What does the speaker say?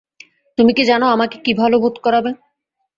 তুমি কি জানো আমাকে কী ভালো বোধ করাবে?